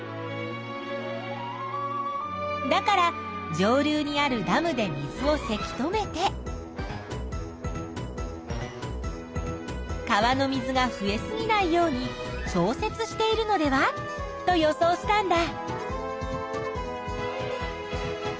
だから上流にあるダムで水をせき止めて川の水が増えすぎないように調節しているのではと予想したんだ。